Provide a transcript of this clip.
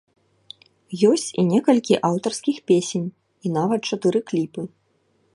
Ёсць і некалькі аўтарскіх песень і нават чатыры кліпы.